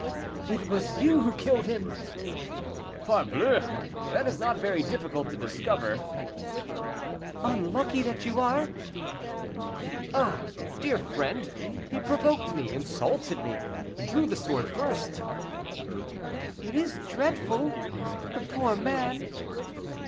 "It was you who killed him." "Parbleu! that is not very difficult to discover." "Unlucky that you are!" "Ah, dear friend! he provoked me, insulted me, drew the sword first." "It is dreadful! the poor man!"